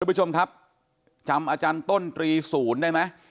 ทุกผู้ชมครับจำอาจารย์ต้น๓๐ได้ไหม